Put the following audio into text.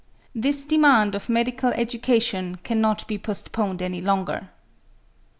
This demand of medical education cannot be postponed any longer.